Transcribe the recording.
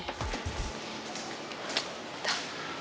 nggak mama mau bobo disini